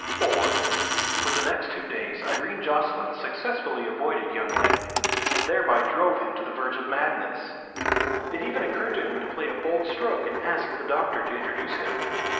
IV For the next two days Irene Jocelyn successfully avoided young Lake, and thereby drove him to the verge of madness. It even occurred to him to play a bold stroke and ask the doctor to introduce him.